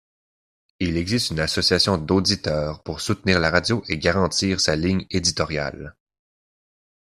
Il existe une association d'auditeurs pour soutenir la radio et garantir sa ligne éditoriale.